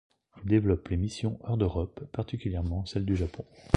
Il développe les missions hors d'Europe, particulièrement celle du Japon.